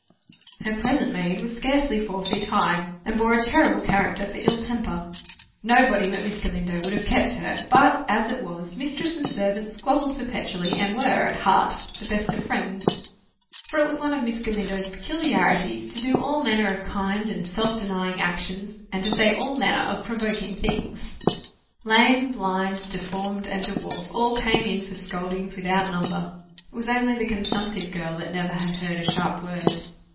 Her present maid was scarcely four feet high, and bore a terrible character for ill temper. Nobody but Miss Galindo would have kept her; but, as it was, mistress and servant squabbled perpetually, and were, at heart, the best of friends. For it was one of Miss Galindo's peculiarities to do all manner of kind and self denying actions, and to say all manner of provoking things. Lame, blind, deformed, and dwarf, all came in for scoldings without number: it was only the consumptive girl that never had heard a sharp word.